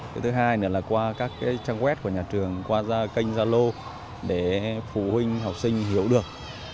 cái thứ hai nữa là qua các trang web của nhà trường qua kênh zalo để phụ huynh học sinh hiểu được